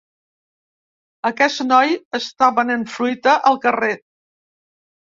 Aquest noi està venent fruita al carrer.